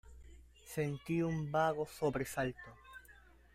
sentí un vago sobresalto.